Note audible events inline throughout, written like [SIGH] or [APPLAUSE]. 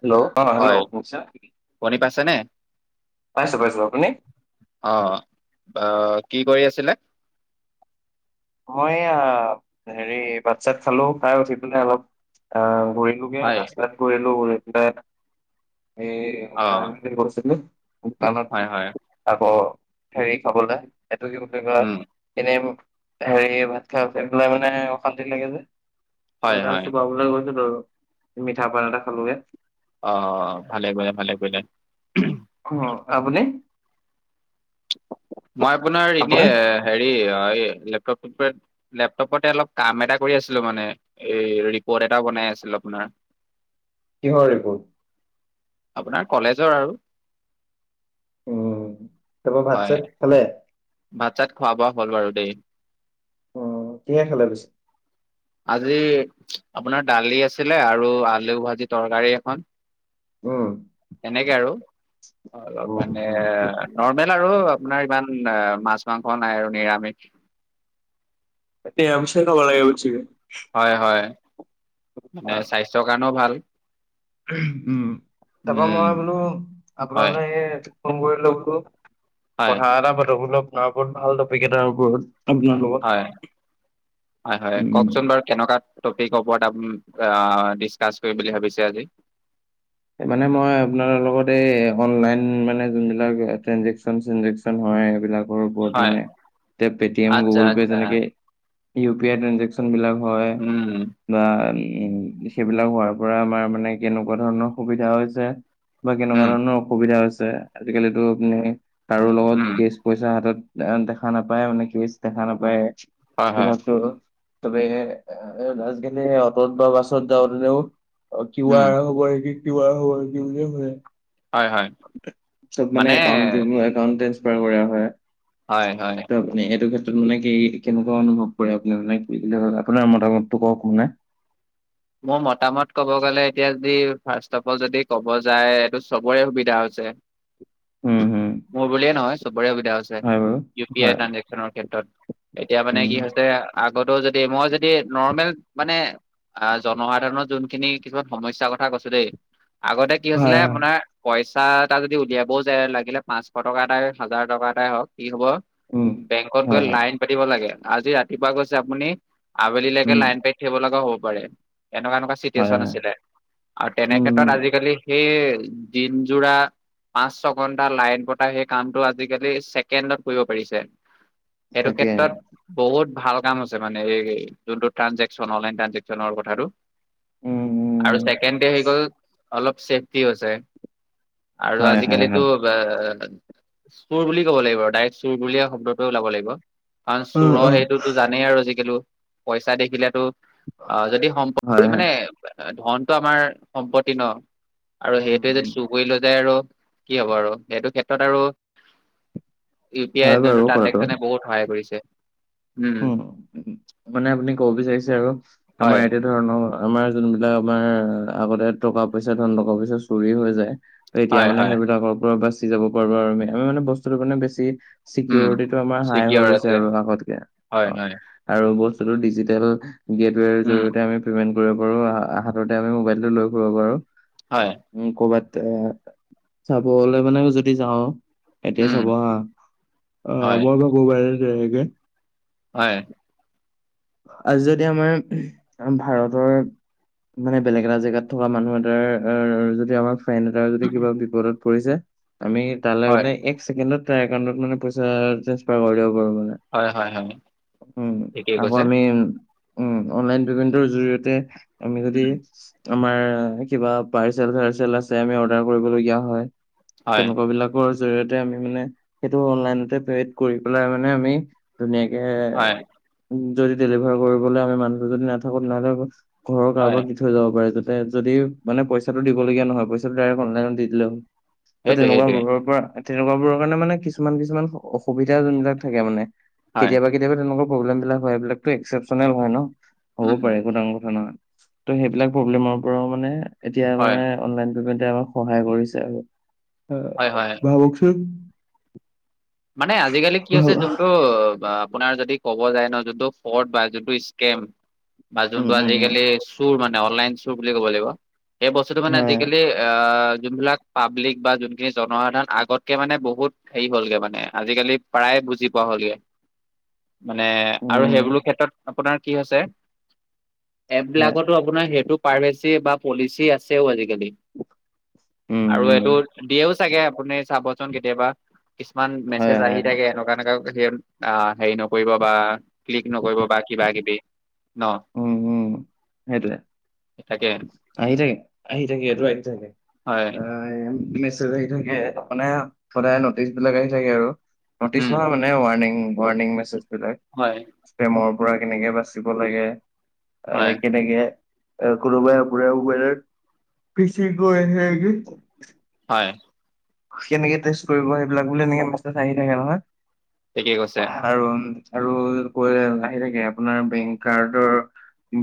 Hello অঁ hello হয়, ককছোন শুনি পাইছেনে? পাইছোঁ পাইছোঁ, আপুনি? অঁ, অঁ কি কৰি আছিলে? মই এয়া হেৰি ভাত চাত খালো, খাই উঠি পেলাই অলপ অঁ ঘূৰি [INAUDIBLE] দোকানত হয়, অ, হয়, হয়, আকৌ হেৰি খাবলে এইটো কি বুলি কয়, উম, এনেই হেৰি, ভাত খাই উঠি পেলায় মানে অশান্তি লাগে যে হয়, কিবা এটা হয়। চোবাবলৈ গৈছিলো আৰু। মিঠাপান এটা খালো গে। অঁ ভালে কৰিলা, ভালে কৰিলা। অঁ, আপুনি? মই আপোনাৰ আপুনি এনেই হেৰি লেপটপটোতে লেপটপতে অলপ কাম এটা কৰি আছিলো মানে, এই ৰিপৰ্ট এটাও বনাই আছিলো আপোনাৰ। কিহৰ ৰিপোৰ্ট? আপোনাৰ কলেজৰ আৰু। উম, তাপা ভাত হয়। চাত খালে? ভাত চাত খোৱা বোৱা হ'ল বাৰু দেই। অঁ, কিহে খালা পিছে? আজি আপোনাৰ দালি আছিলে আৰু আলু ভাজি তৰকাৰী এখন। উম তেনেকে আৰু। অলপ উম মানে উম নৰ্মেল আৰু আপোনাৰ ইমান মাছ মাংস নাই আৰু নিৰামিষ। নিৰামিষ খাব লাগে হৈছি। হয় হয়, মানে স্বাস্থ্যৰ কাৰণেও ভাল। উম তাৰাপা উম মই বোলো হয় আপোনালৈ ফোন কৰি লওঁ বোলো। হয় কথা এটা পাতো বোলো, আপোনাৰ লগত ভাল টপিক এটাৰ ওপৰত। আপনাৰ হয় হয় হয় লগত উম্। কওকচোন বাৰু কেনেকুৱা টপিকৰ ওপৰত আ্ ডিছ-কাছ কৰিম বুলি ভাবিছে আজি। মানে মই আপোনাৰ লগত, এই অনলাইন মানে যোনবিলাক ট্ৰেনজেকচন চেনজেকচন হয়, এইবিলাক। বোৰ ওপৰত হয় মানে, পেটিয়েম, আচ্ছা গো'গলপে আচ্ছা তেনেকে ইউপি আই ট্ৰেঞ্জেক চন কোনবিলাক হয় উম বা উম্, সেইবিলাক হোৱাৰ পৰা আমাৰ মানে কেনেকুৱা ধৰণৰ অসুবিধা হৈছে বা কেনেকুৱা উম ধৰণৰ অসুবিধা হৈছে, আজিকালিতো আপুনি কাৰো লগত উম কেচ পইচা হাতত দেখা নাপায় মানে, কেচ দেখা নাপায়। হয় যি হয় ভাবিছোঁ, চবে আজিকালি অ'টত বা বাছত যাওঁতেও- অ', উম কিওৱাৰ হ'ব নিকি, কিওৱাৰ হ'ব নেকি বুলিহে সোধে। হয় হয় চব মানে একাউণ্ট, একাউন্ট ট্ৰেন্সফাৰ কৰা হয়। হয় হয়। আপুনি এইটো ক্ষেত্ৰত মানে কি, কেনেকুৱা অনুভৱ কৰে? আপুনি মানে আপোনাৰ মতামতটো কওক মানে। মোৰ মতামত ক'ব গ'লে এতিয়া যদি ফাৰ্ষ্ট অফ অল যদি ক'ব যায়, এইটো চবৰে সুবিধা হৈছে। উম্, মোৰ বুলিয়ে নহয় চবৰে সুবিধা হৈছে। বাৰু ইউ পি আই হয় ট্ৰেঞ্জেকচনৰ ক্ষেত্ৰত, এতিয়া উম, মানে কি হৈছে? আগতো যদি, মই যদি নৰ্মেল মানে আহ্ জনসাধাৰণৰ যোনখিনি কিছুমান সমস্যাৰ কথা কৈছোঁ দেই। আগতে কি হয়, হৈছিলে হয়। আপোনাৰ পইচা এটা যদি উলিয়াবও যায়, লাগিলে পাঁচশ টকা এটাই হওঁক, হাজাৰ টকা এটাই হওঁক, কি হ'ব? উম, বেংকত হয়, গৈ হয়। লাইন পাতিব লাগে, আজি ৰাতিপুৱা গৈছে আপুনি আবেলিলৈকে উম, লাইন পাতি থাকিব লগাও হ'ব পাৰে, এনেকুৱা এনেকুৱা হয়, চিটুৱেচন হয়। আছিলে। আৰু তেনে উম, ক্ষেত্ৰত আজিকালি সেই দিন যোৰা পাঁচ, ছঘন্টা লাইন পতা সেই কামটো আজিকালি ছেকেণ্ডত কৰিব পাৰিছে। সেইটো তাকে। ক্ষেত্ৰত বহুত ভাল কাম হৈছে মানে, এই যোনটো ট্ৰেনঞ্জেকশচন, অনলাইন ট্ৰেনজেকচন। ট্ৰেনজেকচনৰ কথাটো উম, উম, আৰু ছেকেণ্ডতে আহি গ'ল। অলপ ছেফটিও হৈছে, আৰু হয়, হয়, আজিকালিতো হয়। চোৰ বুলি ক'ব লাগিব আৰু ডাইৰেক্ট চোৰ বুলিয়ে শব্দটো ওলাব লাগিব। কাৰণ অ', চোৰৰ অ', সেইটো জানেই আৰু আজিকালি, পইচা দেখিলেতো অ', যদি হয়, সম্পতি হয়। মানে- ধনটো আমাৰ সম্পত্তি ন! আৰু উম, সেইটো য়ে যদি উম, চুৰ কৰি লৈ যায় আৰু। কি হ'ব আৰু সেইটো ক্ষেত্ৰত আৰু। ইউ পি হয় আইৰ বাৰু যোনটো কথাটো। ট্ৰান্জেকচনে বহুত সহায় কৰিছে। উম উম্, মানে আপুনি ক'ব বিচাৰিছে আৰু আমাৰ হয় ইয়াতে ধৰণৰ, আমাৰ যোনবিলাক আমাৰ আগতে টকা-পইচা, ধন টকা-পইচা চুৰি হৈ যায়। এতিয়া হয় মানে হয় সেইবিলাকৰ পৰা বাচি যাব পাৰোঁ আৰু আমি, আমি মানে বস্তুটো কাৰনে বেছি উম, ছিকিউৰিটিটো আমাৰ হাই চিকিয়ৰ হৈ গৈছে আছে আৰু আগতকে। অ হয় হয়। আৰু বস্তুটো ডিজিটেল গেটৱেৰ উম, জৰিয়তে আমি পেমেণ্ট কৰিব পাৰোঁ, হাততে আমি মোবাইলটো লৈ ফুৰিব পাৰোঁ। হয়। উম্, ক'ৰবাত এ চাবলৈ মানে যদি যাওঁ, এতিয়া উম, চাবা হা, অ', হয়, মই ভাবোঁ মানে যেনেকে হয়। আজি যদি আমাৰ ভাৰতৰ মানে, বেলেগ এটা জেগাত থকা মানুহ এটাৰ, যদি আমাৰ ফ্ৰেণ্ড এটাৰ যদি কিবা বিপদত পৰিছে, আমি হয়, তালৈ এক ছেকেণ্ডত, তাৰ একাউণ্টত মানে, পইচা ট্ৰেন্ঞ্চফাৰ কৰি দ'ব পাৰো মানে। হয়, হয়, হয়। উম আকৌ কৈছে, আমি, অন- অনলাইন পে'মেণ্টৰ জৰিয়তে আমি যদি উম, আমাৰ কিবা পাৰ্চেল-চাৰ্চেল আছে, আমি অৰ্ডাৰ কৰিবলগীয়া হয়, হয়, তেনেকুৱ বিলাক [UNINTELLIGIBLE] জৰিয়তে আমি মানে, সেইটো অনলাইনতে পাইড কৰি পেলাই মানে আমি ধুনীয়াকে হয়, যদি ডেলিভাৰ কৰিবলৈ, আমি মানুহটো যদি নাথাকো, নহ'লে ঘৰৰ হয়, কাৰোবাক থৈ যাব পাৰে যাতে যদি মানে, পইচাটো দিবলগীয়া নহয়, পইচাটো ডাইৰেক্ট অনলাইনত দি দিলে হ'ল। ত, সেইটোৱে, তেনেকুৱা সেইটোৱে, [UNINTELLIGIBLE] পৰা তেনেকুৱা বোৰৰ কাৰণে মানে, কিছুমান কিছুমান অসুবিধা যোনবিলাক থাকে মানে, হয়, কেতিয়াবা কেতিয়াবা তেনেকুৱা প্ৰব্লেম বিলাক হয়, এইবিলাকতো একপচনেল হয় ন', হ'ব উম, পাৰে একো ডাঙৰ কথা নহয়। ত' সেইবিলাক প্ৰব্লেমৰ পৰাও মানে এতিয়া হয়, মানে, অনলাইন পেমেন্ট তেওঁ সহায় কৰিছে আৰু [INAUDIBLE] হয়, হয়। ভাবকচোন মানে, আজিকালি কি হৈছে ভাবা যোনটো বা- আপোনাৰ যদি ক'ব যায় ন', যোনটো ৰ্ফড বা যোনটো স্কেম বা উম যোনটো উম উম আজিকালি চোৰ মানে, অনলাইন চুৰ বুলি ক'ব লাগিব, সেই বস্তুটো মানে হয় আজিকালি আ, যোনবিলাক পাব্লিক বা যোনখিনি জনসাধাৰণ আগতকে মানে, বহুত হেৰি হ'লগে মানে আজিকালি প্ৰায়ে বুজি পোৱা হ'লগে। মানে, আৰু উম সেইবোৰো ক্ষেত্ৰত আপোনাৰ কি হৈছে? এপ হয় বিলাকতো আপোনাৰ সেইটো প্ৰাইভেচি বা পলিচি আছেও আজিকালি। উম আৰু উম এইটো দিয়েও চাগে আপুনি চাবচোন কেতিয়াবা। ইমান হয় মেছেজ আহি হয় হয়। থাকে, এনেকুৱা এনেকুৱা হেই আ, হেৰি নকৰিব বা ক্লিক নকৰিব বা কিবা কিবি। ন উম, উম সেইটোয়ে তাকে আহি থাকে, আহি থাকে সেইটো আহি থাকে। হয় আহ, মেছেজ আহি থাকে, মানে সদায় নটিচ বিলাক আহি থাকে আৰু। নটিছ উম নহয় মানে ৱণিং ৱৰ্ণিং মেছেজবিলাক। হয় স্কেমৰ পৰা কেনেকে বাচিব লাগে? হয় [UNINTELLIGIBLE] কেনেকে? এ, কোনোবাই আপোনাৰ মোবাইলত পিচি [UNINTELLIGIBLE] হয়। কেনেকে টেষ্ট কৰিব, সেইবিলাক বুলি এনেকে মেচেজ আহি থাকে নহয়, ঠিকেই কৈছে আৰু আৰু, কৈ আহি থাকে আপোনাৰ বেংক কাৰ্ডৰ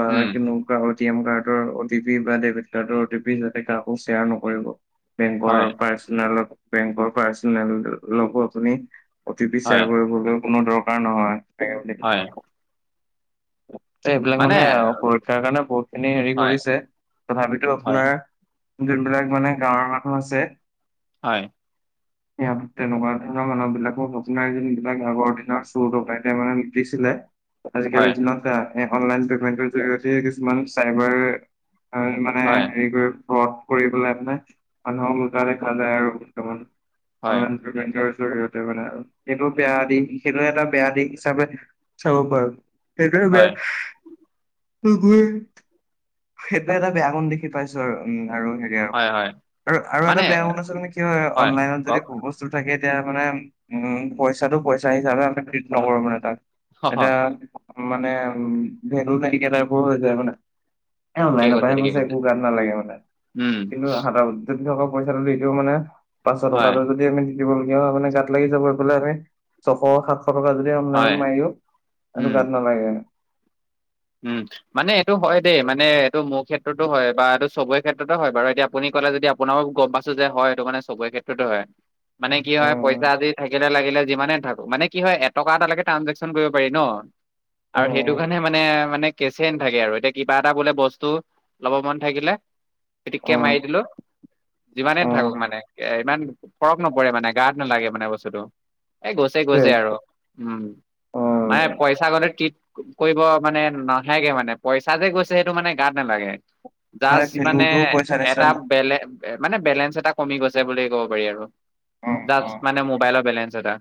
বা উম কে অটি এম কাৰ্ডৰ অটি পি বা ডেবিট কাৰ অটি পি যাতে কাকো শ্বেয়াৰ নকৰিব। বেংকৰ হয় পাৰ্চনেল, বেংকৰ পাৰ্চনেল লক অ আপুনি অ টি পি হয় শ্বেয়াৰ কৰিবলৈ কোনো দৰকাৰ নহয়। এনেকে [INAUDIBLE] [INAUDIBLE] এইবিলাক মানে সুৰক্ষাৰ কাৰণে বহুত খিনি হেৰি হয় কৰিছে, তথাপিতো হয় আপোনাৰ যোনবিলাক মানে গাঁৱৰ মানুহ আছে হয়। [INAUDIBLE] তেনেকুৱা ধৰণৰ মানুহবিলাকৰ [UNINTELLIGIBLE] আগৰ দিনৰ চোৰ ডকাইতে মানে লোতিছিলে আজিকালি হয় দিনত এ, অনলাইন পেমেন্টৰ জৰিয়তে কিছুমান চাইবাৰ মানে হয় হেৰি কৰি কৈও লাভ নাই মানুহক লুতা দেখা যায় আৰু বৰ্তমান অ হয় [UNINTELLIGIBLE] জৰিয়তে মানে আৰু সেইটো বেয়া দিশ সেইটো এটা বেয়া দিশ হিচাপে চাব পাৰোঁ সেইটোহে বেয়া। হয় [UNINTELLIGIBLE] সেইটো এটা বেয়া গুণ দেখি পাইছো আৰু উম আৰু সেই থাকে হয় হয় আৰু আৰু এটা মানে বেয়া গুণ আছে নহয় কি হয় অনলাইনত যদি প্ৰপজ বস্ত থাকে এতিয়া মানে উম পইচাটো পইচা হিচাপে আমি ট্ৰিট নকৰো মানে তাত কওক এটিয়া মানে উম ভেলু নাইকিয়া তাইপৰ হৈ যায় মানে। এ ঠিকে কৈছে অনলাইনপাহে ঠিকে গৈছে কৈছে একো গাত নালাগে মানে উম কিন্তু হাতত থকা পইচাটো দি দিও মানে পাঁচশ টকা হয় এটা যদি আমি দিবলগীয়া হলে গাত লাগি যাব এইফালে আমি ছশ সাতশ টকা য যদি অনলাইনত হয় মাৰি দিও সেইটো উম গাত নালাগে। উম' মানে এইটো হয় দেই মানে এইটো মোৰ ক্ষেত্ৰতো হয় বা এইটো চবৰে ক্ষেত্ৰতো হয় বাৰু‌ এতিয়া আপুনি ক'লে যদি আপ আপোনাকো গম পাইছো যে হয় এইটো কাৰণে চবৰে ক্ষেত্ৰতে হয়। মানে কি হয় উম পইচা আজি থাকিলে লাগিলে যিমানে থাকক মানে কি হয় এটকা এটালৈকে ট্ৰানজেকশ্যন কৰিব পাৰি ন আৰু সেইটো উম কাৰণে মানে মানে কেচে নথাকে আৰু এতিয়া কিবা এটা বোলে বস্তু লব মন থাকিলে পিতিককে উম মাৰি দিলো যিমানে উম থাকক মানে ইমান ফৰক নপৰে মানে গাত নালাগে মানে বস্তুটো এ গৈছে দেই গৈছে আৰু উম উম নাই মানে পইচা মানে ট্ৰিট কৰিব মানে নাথাকে মানে পইচা যে গৈছে সেইটো মানে গাত নালাগে দাস্ত মানে ভেলুটো পইচা নিচিনা এটা ন। বেলেগ এ মানে বেলেঞ্চ এটা কমি গৈছে বুলি ক'ব পাৰি আৰু উম জাষ্ট উম মানে মোবাইলৰ বেলেঞ্চ এটা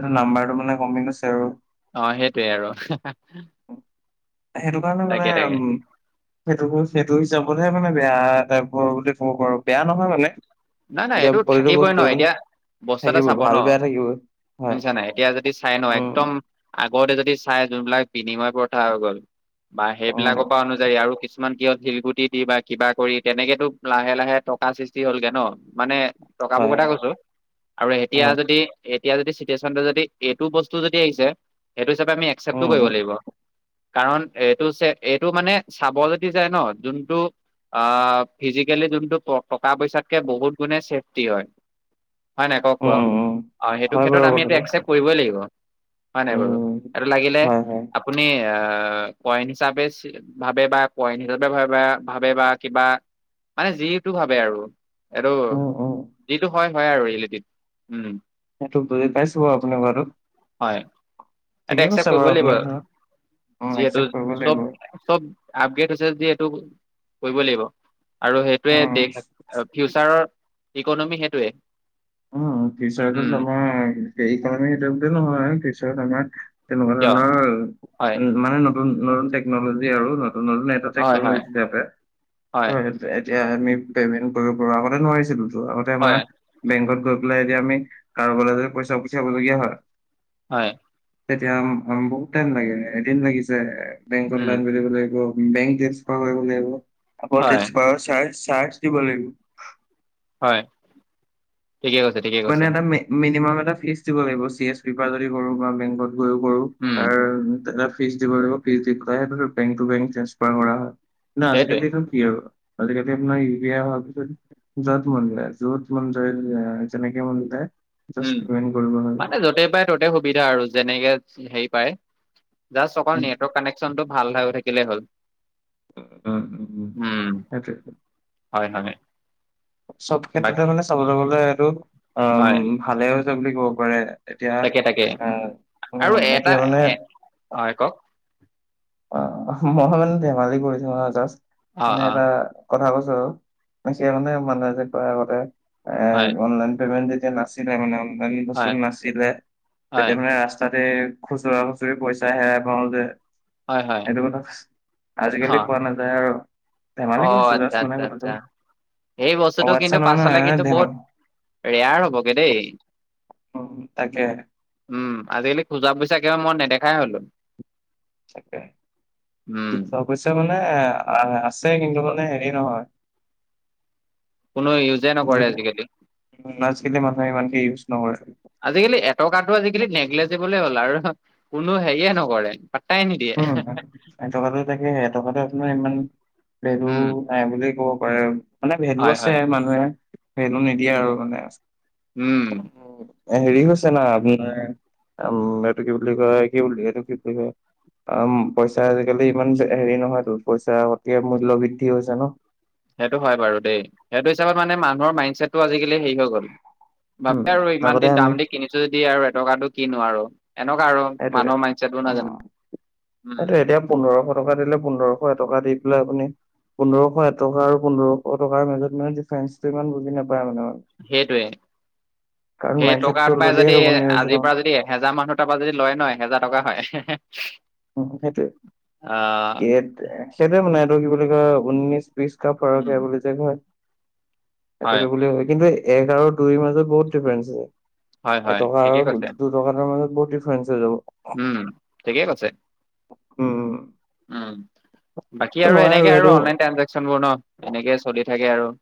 এইটো নাম্বাৰটো মানে কমি গৈছে আৰু অ' সেইটোৱে আৰু হা হা সেইটো কাৰণে মানে উম সেইটো গোজ সেইটো হিচাপতহে মানে বেয়া টাইপৰ বুলি ক'ব পাৰো বেয়া নহয় মানে নাই নাই যে এইটো প্ৰতিটো থাকিবই ন বস্তুৱে মানে এতিয়া বস্তু এটা থাকিবই চাব ন ভাল বেয়া থাকিবই হয় শুনিছা নাই এতিয়া যদি চাই ন উম একদম আগতে যদি চাই যোনবিলাক বিনিময় প্ৰথা হৈ গ'ল বা উম, সেইবিলাকৰ পৰা অনুযায়ী আৰু কিছু কিছুমান কিহত শিলগুটি দি বা কিবা কৰি তেনেকেতো লাহে লাহে টকা সৃষ্টি হলগে ন মানে টকাবোৰ হয়, কথা হয়, কৈছো আৰু এতিয়া হয়, যদি এতিয়া যদি চিটুৱেচনটো যদি এইটো বস্তু যদি আহিছে সেইটো হিচাপে আমি একচেপ্টতো উম, কৰিব উম, লাগিব। কাৰণ এইটো হৈছে এইটো মানে চাব যদি যায় ন যোনটো আ ফিজিকেলি যোনটো টকা পইচাতকে বহুত গুণে চেফটি হয়। হয় নাই কওক উম, বাও উম, অ সেইটো হয় ক্ষেত্ৰত বাৰু আমি এইটো কথাটো, একচেপ্ট কৰিবই লাগিব। হয় নাই বাৰু উম, এইটো লাগিলে হয়, হয়, আপুনি আ পইন হিচাপে ভাবে বা পইন হিচাপে ভাবে বা ভাবে বা কিবা মানে যিটো ভাবে আৰু এইটো উম, উম, যিটো হয় হয় আৰু ৰিয়েলিটিত উম সেইটো বুজি পাইছো বাৰু আপুনি কোৱাটো। হয় এইটো ঠিকেই কৈছে একচেপ্ট বাৰু কৰিব আপুনি কথা, লাগিব উম, যিহেতু একচেপ্ট কৰিব লাগিব, চব চব আপগ্ৰেড হৈছে যদি এইটো কৰিবই লাগিব আৰু সেইটোয়ে দেশ [UNINTELLIGIBLE] ফিউচাৰৰ ইকনমি সেইটোৱে। উম, উম ফিউচাৰটোত মানে হেৰি কাৰণে যোনটো নহয় ফিউচাৰত মানুহে তেনেকুৱা কিয় ধৰণৰ। হয় উম, মানে নতুন, নতুন টেকনলজি আৰু নতুন, নতুন এটা হয় হয় হয় [UNINTELLIGIBLE] এতিয়া আমি পেমেন্ট কৰিব পৰা, আগতে নোৱাৰিছিলোঁতো। আগতে আমাৰ হয় বেংকত গৈ পেলাই এতিয়া আমি কাৰোবালৈ যদি পইচা পঠিয়াবলগীয়া হয় হয়। তেতিয়া বহুত টাইম লাগে, এদিন লাগিছে, বেংকত উম লাইন পাতিব লাগিব। বেংক ট্ৰেসফাৰ কৰিব লাগিব, আকৌ হয় ট্ৰেচফাৰ চাৰ-চাৰ্জ দিব লাগিব। হয়। ঠিক কৈছে, ঠিকে মানে কৈছে এটা মি-মিনিমাম এটা ফিছ দিব লাগিব। চি এছ পি পা যদি কৰোঁ বা বেংকত। গৈয়ো কৰোঁ উম তাৰ এটা ফিছ দিব লাগিব। ফিছ দি পেলাই বেংক টো বেংক ট্ৰেঞ্চফাৰ কৰা হয়। না, সেইটোৱে আজিকালটো কি আৰু, আজিকালি আপোনাৰ ই উ পি আই হোৱাৰ পিছত য'ত মনযায়, য'ত মনযায় যেনেকে আমাৰ দুটাই। উম, মানে য'তেই পাই ত'তেই সুবিধা আৰু, যেনেকে হেৰি পাই, যাচ অকন উম, নেটৱৰ্ক কানেক চনটো ভাল হৈ থাকিলেই হ'ল। উ, উম, উম, হেইটোৱে। হয়, হয়। চব বাক ক্ষেত্ৰতে মানে চাবলৈ গ'লে এইটো হয় অ' ভালে হৈছে বুলি ক'ব পাৰে। এতিয়া তাকে তাকে উম, আৰু উম, এটা এতিয়া মানে এ হয় কওক। অ' মই মানে ধেমালি কৰিছোঁ হা, জাষ্ট অ মানে অ এটা কথা কৈছোঁ আৰু [UNINTELLIGIBLE] মানুহে, মানুহে যে কয় আগতে এ, হয় অনলাইন পেমেন্ট যেতিয়া নাছি মানে অনলাইন বস্তু হয় নাছিলে, হয় তেতিয়া হয় মানে ৰাস্তাতে খুচুৰা খুচুৰি পইচা হেৰাই পাওঁ যে। হয় হয় সেইটো কথা, আজিকালি হা কোৱা নাযায় আৰু। ধেমালি অ', কৰিছো আচ্ছা, জাষ্ট মানে আচ্ছা, কথাটো আচ্ছা। সেই অ বস্তুটো আচ্ছা কিন্তু নহয় পাছলৈ নহয় কিন্তু ধেমা বহুত ৰেয়াৰ হ'বগে দেই। উম, তাকে। উম, আজিকালি খোজা পইচা একেবাৰে মই নেদেখাই হ'লো। তাকে। উম খুচুৰা পইচা মানে আ-আছে কিন্তু মানে হেৰি নহয়। কোনো ইউজে নকৰে আজিকালি। উম, আজিকালি মানুহে ইমানকে ইউজ নকৰে। আজিকালি এটকাটো আজিকালি নেগলেজিবলে হ'ল, আৰু কোনো হেৰিয়ে নকৰে। পাট্টাই নিদিয়ে। উম, এটকাটো এতিয়া সেহে, এটকাটো আপোনাৰ ইমান ভেলু উম নাই বুলিয়ে ক'ব পাৰে, মানে ভেলু হয় আছে, হয় মানুহে ভেলু নিদিয়ে আৰু মানে। উম [INAUDIBLE] হেৰি হৈছে না আপোনাৰ, আম এইটো কি বুলি কয়, কি বুলি, এইটো কি বুলি কয় অম, পইচা আজিকালি ইমান হেৰি নহয়তো, পইচা অতি মূল্য বৃদ্ধি হৈছে ন'। সেইটো হয় বাৰু দেই, সেইটো হিচাপত মানে মানুহৰ মাইণ্ডছেটটো আজিকালি হেৰি হৈ গ'ল। উম, ভাবে আৰু ইমান আগতে দিন আমি দাম দি কিনিছোঁ যদি আৰু এটকাটো কিনো আৰু। এনেকুৱা আৰু সেইটোৱে মানুহৰ মাইণ্ডছেটবোৰ নহয় অ'। জানো, এইটো উম। এতিয়া পোন্ধৰশ টকা দিলে, পোন্ধৰশ এটকা দি পেলাই আপুনি। পোন্ধৰশ এটকা আৰু পোন্ধৰশ টকাৰ মাজত মানে ডিফাৰেন্ঞ্চটো ইমান বুজি নাপায় মানে, সেইটোৱে কাৰণ সেই টকা মাইণ্ডছেটটো পৰাই অলৰেডি যদি সেইটো বনি আছে ন আজিৰ পৰা যদি এহেজাৰ মানুহ। তাৰাপা যদি লয় নহ এহেজাৰ টকা হয়। উম, সেইটোৱে আহ কেত সেইটোৱে মানে এইটো কি বুলি কয় ঊনিচ। ৰিচকা উম ফৰকহে বুলি যে কয় সেইটোতো বুলি হয় কিন্তু। এক আৰু দুইৰ মাজত বহুত ডিফাৰেন্ঞ্চ আছে, হয় হয় এটকা ঠিকে আৰু কৈছে দু এটকা এটকা মাজত বহুত ডিফাৰেন্ঞ্চ হৈ যাব। উম, ঠিকেই কৈছে। উম, উম, বাকী সেইটো আৰু হয় এনেকে আৰু এইটো অনলাইন ট্ৰঞ্চেকচন বোৰ ন, এনেকৈ চলি থাকে আৰু।